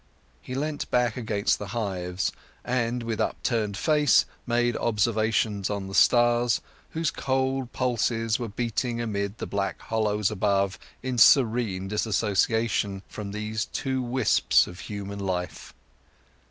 He leant back against the hives, and with upturned face made observations on the stars, whose cold pulses were beating amid the black hollows above, in serene dissociation from these two wisps of human life.